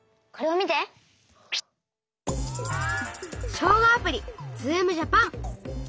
小５アプリ「ズームジャパン」。